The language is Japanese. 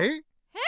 え？